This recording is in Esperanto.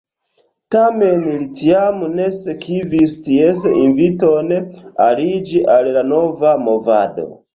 Tamen li tiam ne sekvis ties inviton aliĝi al la nova movado.